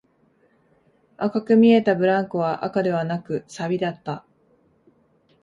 赤く見えたブランコは赤ではなく、錆だった